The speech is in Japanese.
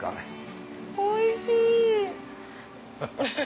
おいしい。